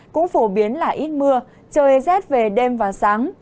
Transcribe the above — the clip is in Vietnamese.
cũng phổ biến là ít mưa trời rét về đêm và sáng